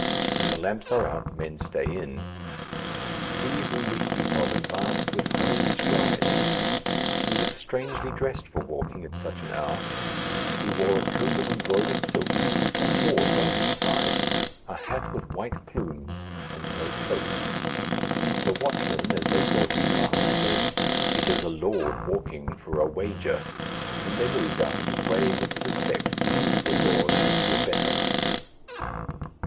When the lamps are out men stay in. He whom we speak of advanced with hurried strides. He was strangely dressed for walking at such an hour. He wore a coat of embroidered silk, a sword by his side, a hat with white plumes, and no cloak. The watchmen, as they saw him pass, said, "It is a lord walking for a wager," and they moved out of his way with the respect due to a lord and to a better.